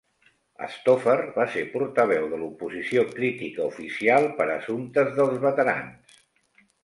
Stoffer va ser portaveu de l'oposició crítica oficial per a Assumptes dels Veterans.